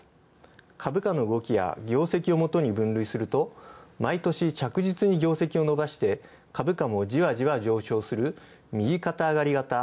株価の動きや業績をもとに分類すると毎年着実に業績を伸ばして、株価もじわじわ上昇する右肩上がり方。